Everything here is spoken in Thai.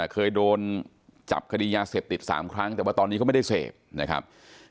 เคยโดนจับคดียาเสพติด๓ครั้งแต่ว่าตอนนี้เขาไม่ได้เสพนะครับ